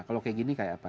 kalau kayak gini kayak apa